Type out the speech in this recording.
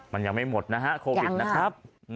มันยังไม่หมดนะฮะโควิดนะครับ